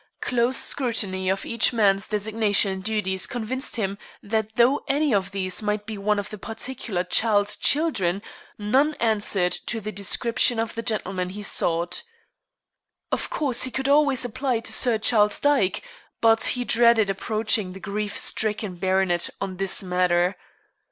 Close scrutiny of each man's designation and duties convinced him that though any of these might be one of the particular Childe's children, none answered to the description of the gentleman he sought. Of course, he could always apply to Sir Charles Dyke, but he dreaded approaching the grief stricken baronet on this matter.